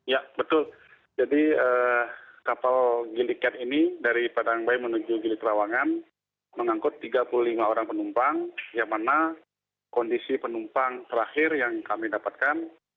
ya betul jadi kapal gili cat ini dari padangbai menuju gili trawangan mengangkut tiga puluh lima orang penumpang yang mana kondisi penumpang terakhir yang kami dapatkan